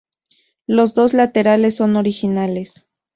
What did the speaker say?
Los dos laterales son originales.